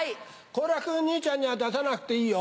好楽兄ちゃんには出さなくていいよ。